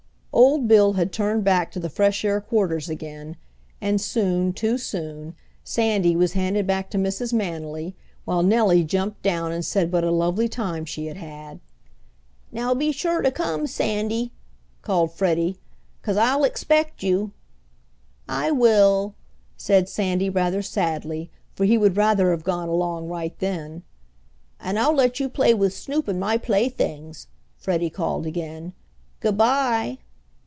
Old Bill had turned back to the fresh air quarters again, and soon, too soon, Sandy was handed back to Mrs. Manily, while Nellie jumped down and said what a lovely time she had had. "Now be sure to come, Sandy," called Freddie, "'cause I'll expect you!" "I will," said Sandy rather sadly, for he would rather have gone along right then. "And I'll let you play with Snoop and my playthings," Freddie called again. "Good bye."